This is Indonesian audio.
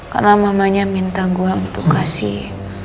karena mamanya minta gua untuk kasih